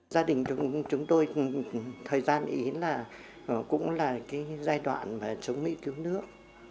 gia đình chúng tôi thời gian ý là cũng là cái giai đoạn chống mỹ cứu nước